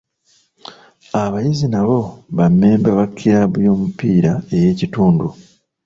Abayizi nabo ba mmemba ba kiraabu y'omupiira ey'ekitundu.